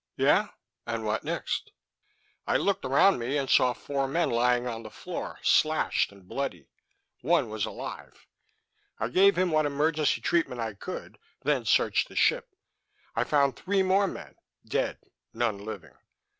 "Yeah? And what next?" "I looked around me and saw four men lying on the floor, slashed and bloody. One was alive. I gave him what emergency treatment I could, then searched the ship. I found three more men, dead; none living.